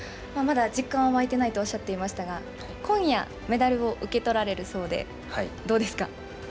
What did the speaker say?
まだ実感は湧いてないとおっしゃっていましたが、今夜、メダルを受け取られるそうで、どうですか？